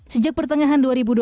sejak pertengahan dua ribu dua puluh